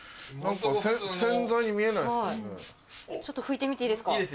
ちょっと拭いてみていいですか？